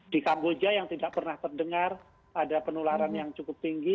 di kamboja yang tidak pernah terdengar ada penularan yang cukup tinggi